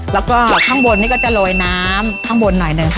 แล้วก็ข้างบนนี่ก็จะโรยน้ำข้างบนหน่อยหนึ่งค่ะ